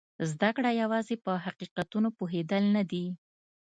زده کړه یوازې په حقیقتونو پوهېدل نه دي.